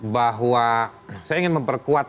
bahwa saya ingin memperkuat